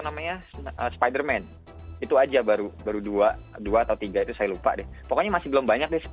namanya spider man itu aja baru baru dua dua atau tiga itu saya lupa deh pokoknya masih belum banyak deh